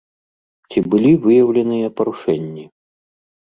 Ці былі выяўленыя парушэнні?